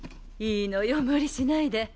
いいのよ無理しないで。